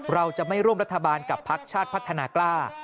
เราจะไม่ร่วมรัฐบาลกับพักชาติพัฒนากล้า